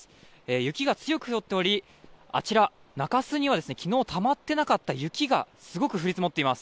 雪が強く降っておりあちら、中洲には昨日たまっていなかった雪がすごく降り積もっています。